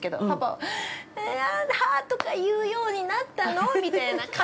パパは、はぁっとか言うようになったの？みたいな。